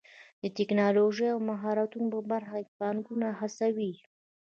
د ټکنالوژۍ او مهارتونو په برخه کې پانګونه هڅوي.